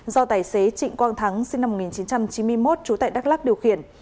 do tài xế trịnh quang thắng sinh năm một nghìn chín trăm chín mươi một trú tại đắk lắc điều khiển